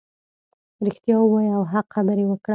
رښتیا ووایه او حق خبرې وکړه .